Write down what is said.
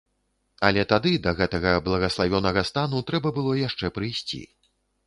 Але тады да гэтага благаславёнага стану трэба было яшчэ прыйсці.